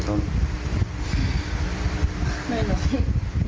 ไม่รู้